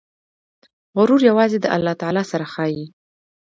غرور یوازې د الله تعالی سره ښایي.